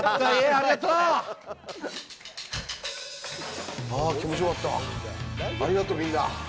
ありがとう、みんな。